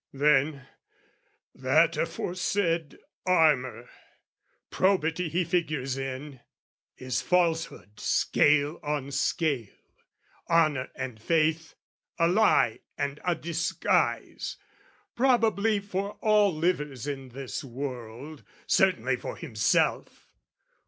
Then, that aforesaid armour, probity He figures in, is falsehood scale on scale; Honor and faith, a lie and a disguise, Probably for all livers in this world, Certainly for himself!